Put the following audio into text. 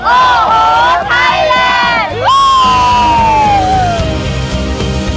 โอ้โหไทยแลนด์